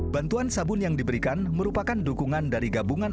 bantuan sabun yang diberikan merupakan dukungan dari gabungan